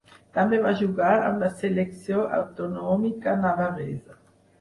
També va jugar amb la selecció autonòmica navarresa.